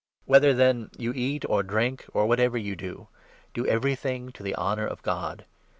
Whether, then, you eat or drink or whatever you do, do 31 everything to the honour of God.